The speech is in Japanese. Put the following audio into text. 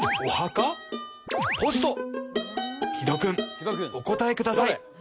木戸君お答えくださいえっと